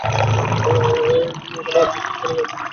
অথবা আপনি ফোন করে তাদের জিজ্ঞাসা করতে পারেন।